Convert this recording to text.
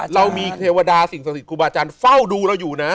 เรามีเทวดาสิ่งศักดิ์ครูบาอาจารย์เฝ้าดูเราอยู่นะ